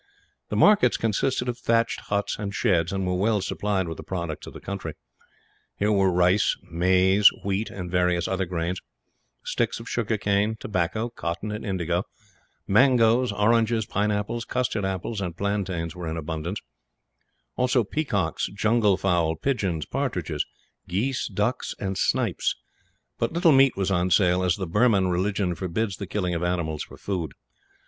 The markets consisted of thatched huts and sheds, and were well supplied with the products of the country. Here were rice, maize, wheat, and various other grains; sticks of sugar cane, tobacco, cotton, and indigo; mangoes, oranges, pineapples, custard apples, and plantains were in abundance; also peacocks, jungle fowl, pigeons, partridges, geese, ducks, and snipes but little meat was on sale, as the Burman religion forbids the killing of animals for food.